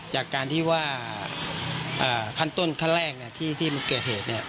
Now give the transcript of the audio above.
จากการที่ว่าขั้นต้นขั้นแรกที่มันเกิดเหตุ